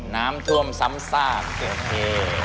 น้ำท่วมซ้ำซากโอเค